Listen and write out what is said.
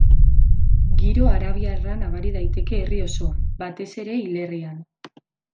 Giro arabiarra nabari daiteke herri osoan, batez ere, hilerrian.